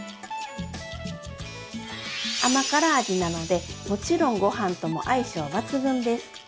甘辛味なのでもちろんごはんとも相性抜群です！